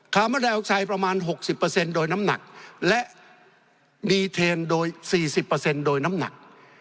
คาร์บอนไดออกไซด์ประมาณ๖๐โดยน้ำหนักและมีเทน๔๐โดยน้ำหนัก